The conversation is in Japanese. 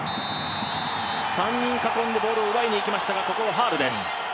３人囲んでボールを奪いにいきましたが、ここもファウルです。